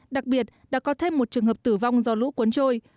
đặc biệt đã có thêm một trường hợp tử vong do lũ cuốn trôi